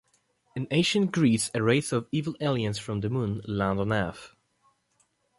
In ancient Greece, a race of evil aliens from the Moon land on Earth.